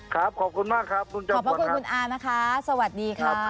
ครับขอบคุณมากครับคุณเจ้าขวรครับขอบคุณคุณอานะคะสวัสดีค่ะ